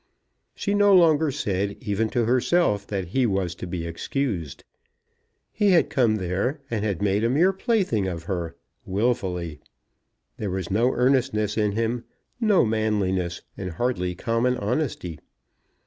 She no longer said, even to herself, that he was to be excused. He had come there, and had made a mere plaything of her, wilfully. There was no earnestness in him, no manliness, and hardly common honesty.